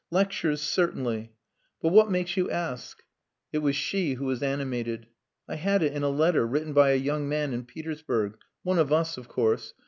"Lectures certainly, But what makes you ask?" It was she who was animated. "I had it in a letter, written by a young man in Petersburg; one of us, of course.